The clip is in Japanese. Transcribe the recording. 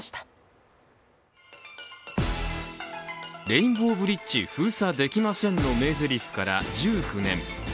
「レインボーブリッジ封鎖できません」の名ぜりふから１９年。